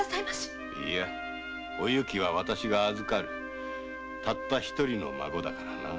いやお雪はワシが預かるたった一人の孫だからな。